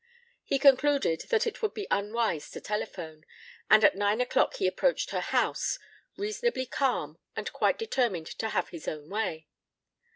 He concluded that it would be unwise to telephone, and at nine o'clock he approached her house, reasonably calm and quite determined to have his own way.